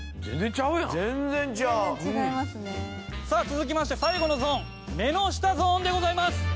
さあ続きまして最後のゾーン目の下ゾーンでございます！